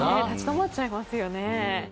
立ち止まっちゃいますよね。